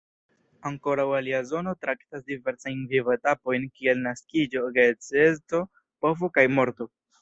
Ankoraŭ alia zono traktas diversajn vivo-etapojn kiel naskiĝo, geedzeco, povo kaj morto.